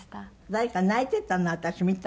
誰か泣いてたの私見たけども。